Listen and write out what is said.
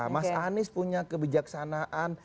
mas anies punya kebijaksanaan